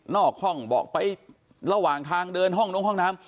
นอกห้องบอกไประหว่างทางเดินห้องน้ำ